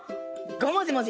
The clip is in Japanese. ごもじもじ。